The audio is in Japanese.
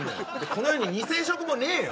この世に２０００色もねえよ